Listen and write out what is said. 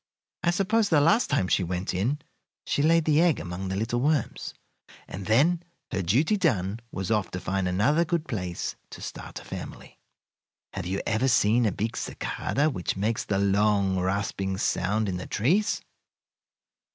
I suppose the last time she went in she laid the egg among the little worms, and then, her duty done, was off to find another good place to start a family. "Have you ever seen a big cicada which makes the long, rasping sound in the trees?